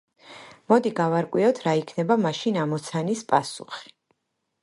მოდი, გავარკვიოთ რა იქნება მაშინ ამოცანის პასუხი.